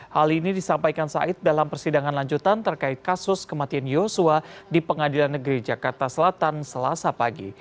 hal ini disampaikan said dalam persidangan lanjutan terkait kasus kematian yosua di pengadilan negeri jakarta selatan selasa pagi